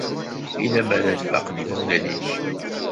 I lemmer ad faqen yimawlan-nnek?